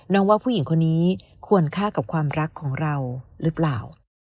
ว่าผู้หญิงคนนี้ควรฆ่ากับความรักของเราหรือเปล่า